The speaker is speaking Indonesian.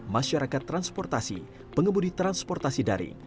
masyarakat transportasi pengebudi transportasi dari